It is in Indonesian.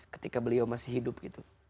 ketika beliau masih hidup gitu